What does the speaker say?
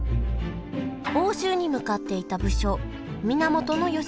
奥州に向かっていた武将源義家。